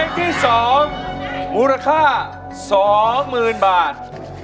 เพลงที่สองมูลค่า๒หมื่นบาท